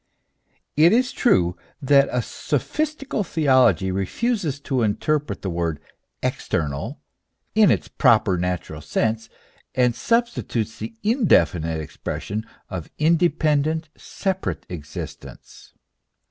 It is true that a sophistical theology refuses to interpret the word " external" in its proper, natural sense, and substitutes the indefinite expres sion of independent, separate existence.